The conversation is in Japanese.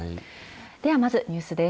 ではまず、ニュースです。